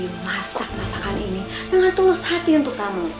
masak masakan ini dengan tulus hati untuk kamu